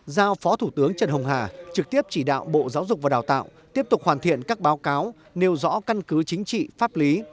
giao phó thủ tướng trần hồng hà trực tiếp chỉ đạo bộ giáo dục và đào tạo tiếp tục hoàn thiện các báo cáo nêu rõ căn cứ chính trị pháp lý